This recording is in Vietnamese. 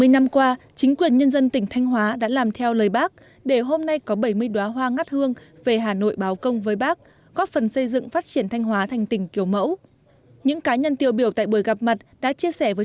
ba mươi năm qua chính quyền nhân dân tỉnh thanh hóa đã làm theo lời bác để hôm nay có bảy mươi đoá hoa ngắt hương về hà nội báo công với bác góp phần xây dựng phát triển thanh hóa thành tỉnh kiểu mẫu